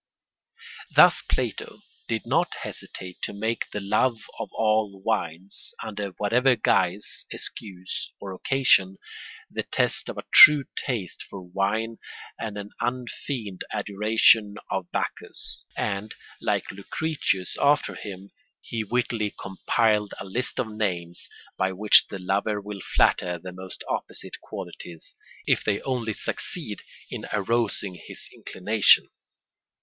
Thus Plato did not hesitate to make the love of all wines, under whatever guise, excuse, or occasion, the test of a true taste for wine and an unfeigned adoration of Bacchus; and, like Lucretius after him, he wittily compiled a list of names, by which the lover will flatter the most opposite qualities, if they only succeed in arousing his inclination.